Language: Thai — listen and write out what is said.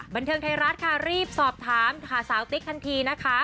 บันเทิงไทยรัฐค่ะรีบสอบถามหาสาวติ๊กทันทีนะคะ